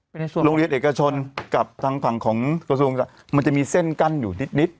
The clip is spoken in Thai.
เป็นส่วนโรงเรียนเอกชนกับทางฝั่งของกระทรวงมันจะมีเส้นกั้นอยู่นิดนิด